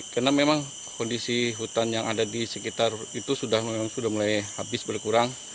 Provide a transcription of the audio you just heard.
karena memang kondisi hutan yang ada di sekitar itu sudah mulai habis berkurang